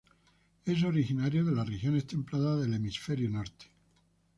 Es originario de las regiones templadas del Hemisferio Norte.